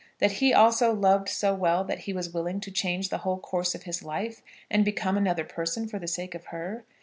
that he also loved so well that he was willing to change the whole course of his life and become another person for the sake of her?